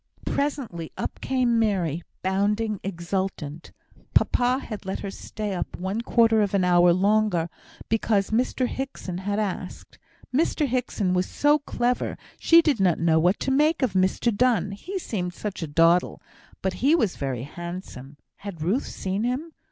Presently up came Mary, bounding, exultant. Papa had let her stay up one quarter of an hour longer, because Mr Hickson had asked. Mr Hickson was so clever! She did not know what to make of Mr Donne, he seemed such a dawdle. But he was very handsome. Had Ruth seen him?